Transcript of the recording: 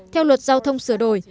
theo luật giao thông sửa đổi